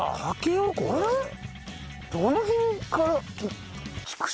どの辺から。